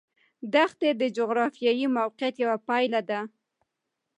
دښتې د جغرافیایي موقیعت یوه پایله ده.